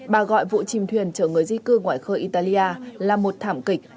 bà gọi vụ chìm thuyền chở người di cư ngoài khơi italia là một thảm kịch